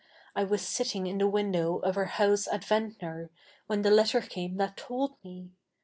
I ivas sitti7ig in the wi7idow of our house at Ve7it7tor, 7vhen the letter came that told 7ne.